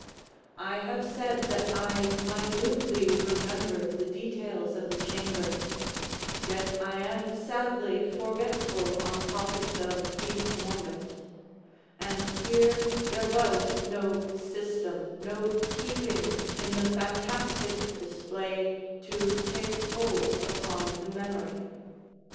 I have said that I minutely remember the details of the chamber—yet I am sadly forgetful on topics of deep moment—and here there was no system, no keeping, in the fantastic display, to take hold upon the memory.